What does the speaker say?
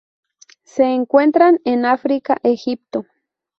Se encuentran en África: Egipto.